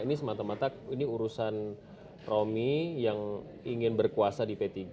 ini semata mata ini urusan romi yang ingin berkuasa di p tiga